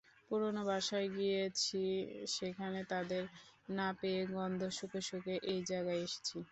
পুরনো বাসায় গিয়েছি, সেখানে তাঁদের না-পেয়ে গন্ধ শুঁকে-শুঁকে এই জায়গায় এসেছি।